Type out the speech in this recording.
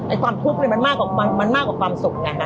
ความทุกข์เนี่ยมันมากกว่าความสุขไงฮะ